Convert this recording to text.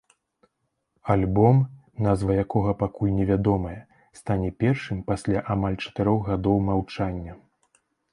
Альбом, назва якога пакуль невядомая, стане першым пасля амаль чатырох гадоў маўчання.